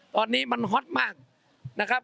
ตอนนี้มันฮอตมากนะครับ